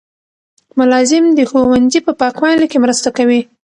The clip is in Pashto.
ملازم د ښوونځي په پاکوالي کې مرسته کوي.